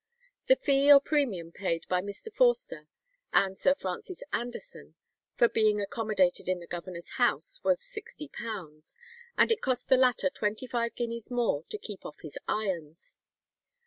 The fee or premium paid by Mr. Forster and Sir Francis Anderson for being accommodated in the governor's house was £60, and it cost the latter twenty five guineas more to keep off his irons.